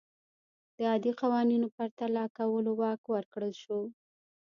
د عادي قوانینو پرتله کولو واک ورکړل شو.